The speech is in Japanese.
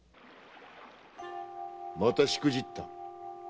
またしくじった？